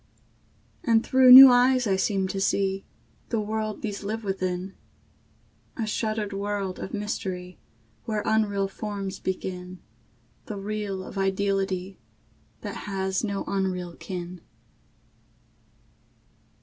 And through new eyes I seem to see The world these live within, A shuttered world of mystery, Where unreal forms begin The real of ideality That has no unreal kin.